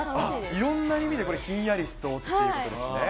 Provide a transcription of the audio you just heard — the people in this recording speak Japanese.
いろんな意味でひんやりしそうっていうことですね。